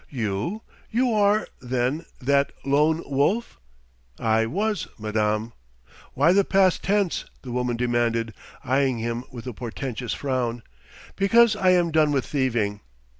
"You? You are, then, that Lone Wolf?" "I was, madame." "Why the past tense?" the woman demanded, eyeing him with a portentous frown. "Because I am done with thieving."